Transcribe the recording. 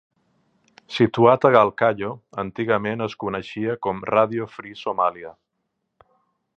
Situat a Galkayo, antigament es coneixia com Radio Free Somàlia.